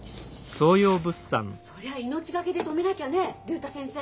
そりゃ命懸けで止めなきゃね竜太先生。